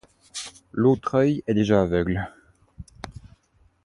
L'autre œil est déjà aveugle.